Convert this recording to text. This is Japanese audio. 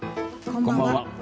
こんばんは。